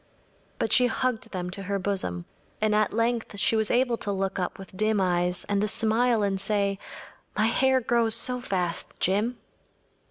But she hugged them to her bosom, and at length she was able to look up with dim eyes and a smile and say: “My hair grows so fast, Jim!